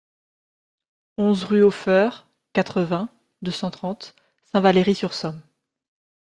onze rue au Feurre, quatre-vingts, deux cent trente, Saint-Valery-sur-Somme